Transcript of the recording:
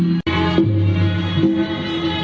สุดท้ายสุดท้ายสุดท้าย